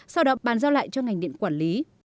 sau đó bàn giao lại cho ngành điện quản lý